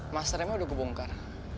mas remnya sudah gue bongkar